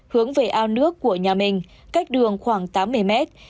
hướng về ao nước của nhà mình cách đường khoảng tám mươi mét